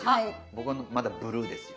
僕はまだブルーですよ。